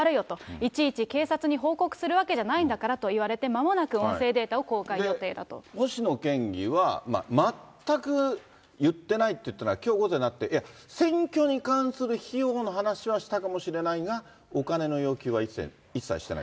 いちいち警察に報告するわけじゃないんだからと言われて、まもな星野県議は、全く言ってないっていったのが、きょう午前になって、いや、選挙に関する費用の話はしたかもしれないが、お金の要求は一切してない。